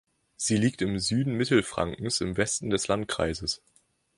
Sie liegt im Süden Mittelfrankens im Westen des Landkreises.